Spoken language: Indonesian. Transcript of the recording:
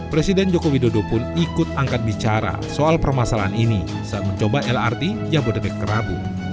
presiden joko widodo pun ikut angkat bicara soal permasalahan ini saat mencoba lrt jabodebek kerabu